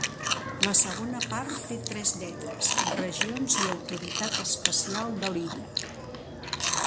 La segona part té tres lletres: regions i autoritat especial de l'illa.